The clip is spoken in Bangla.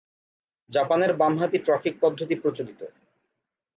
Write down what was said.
জাপানের বামহাতি ট্রাফিক পদ্ধতি প্রচলিত।